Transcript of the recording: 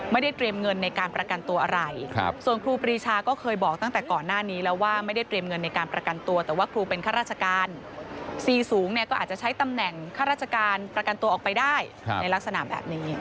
ใช้ตำแหน่งข้าราชการประกันตัวออกไปได้ในลักษณะแบบนี้